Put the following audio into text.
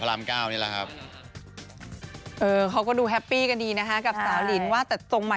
ร้องเล่น